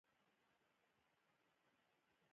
دا ګډوډي موږ کمزوري کړي یو.